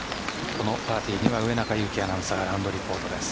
このパーティーには上中勇樹アナウンサーがラウンドリポートです。